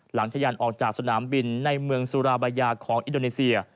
ทะยันออกจากสนามบินในเมืองสุราบายาของอินโดนีเซีย